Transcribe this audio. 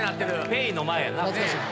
ペイ‼の前やな。